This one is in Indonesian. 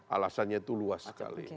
alasannya itu luas sekali